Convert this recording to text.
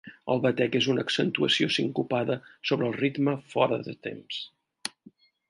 El batec és una accentuació sincopada sobre el ritme fora de temps.